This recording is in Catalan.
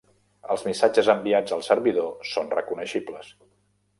Els missatges enviats al servidor son reconeixibles.